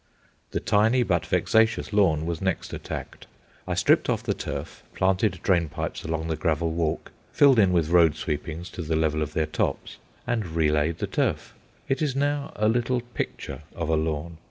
The tiny but vexatious lawn was next attacked. I stripped off the turf, planted drain pipes along the gravel walk, filled in with road sweepings to the level of their tops, and relaid the turf. It is now a little picture of a lawn.